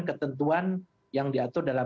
ketentuan yang diatur dalam